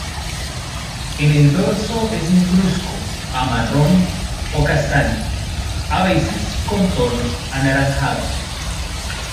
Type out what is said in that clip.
En el dorso es negruzco a marrón o castaño, a veces con tonos anaranjados.